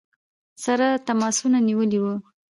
سره تماسونه نیولي ؤ.